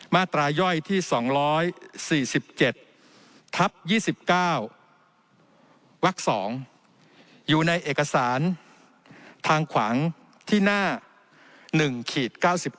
มาตราย่อยที่๒๔๗ทับ๒๙วัก๒อยู่ในเอกสารทางขวางที่หน้า๑๙๙